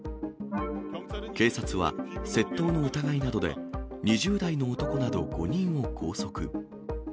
警察は窃盗の疑いなどで、２０代の男など５人を拘束。